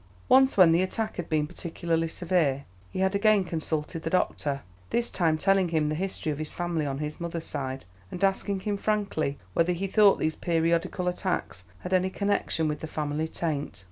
Once, when the attack had been particularly severe, he had again consulted the doctor, this time telling him the history of his family on his mother's side, and asking him frankly whether he thought these periodical attacks had any connection with the family taint.